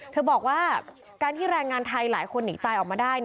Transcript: บอกว่าการที่แรงงานไทยหลายคนหนีตายออกมาได้